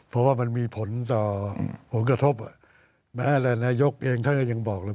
เพราะว่ามันมีผลต่อผลกระทบอ่ะแม้แต่นายกเองท่านก็ยังบอกเลย